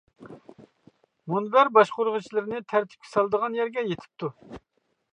مۇنبەر باشقۇرغۇچىلىرىنى تەرتىپكە سالىدىغان يەرگە يېتىپتۇ.